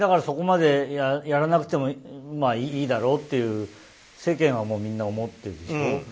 そこまでやらなくてもいいだろうっていう世間はみんな思ってるでしょ。